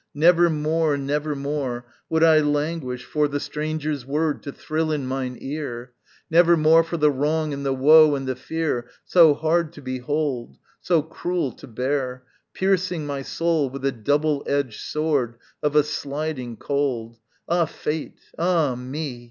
Nevermore, nevermore Would I languish for The stranger's word To thrill in mine ear Nevermore for the wrong and the woe and the fear So hard to behold, So cruel to bear, Piercing my soul with a double edged sword Of a sliding cold. Ah Fate! ah me!